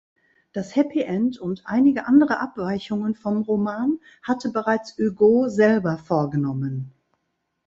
Das Happy End und einige andere Abweichungen vom Roman hatte bereits Hugo selber vorgenommen.